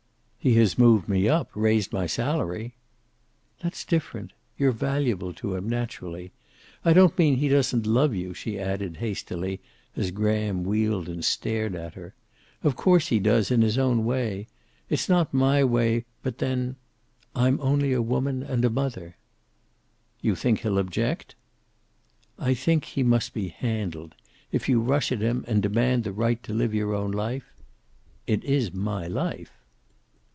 "He has moved me up, raised my salary." "That's different. You're valuable to him, naturally. I don't mean he doesn't love you," she added hastily, as Graham wheeled and stared at her. "Of course he does, in his own way. It's not my way, but then I'm only a woman and a mother." "You think he'll object?" "I think he must be handled. If you rush at him, and demand the right to live your own life " "It is my life."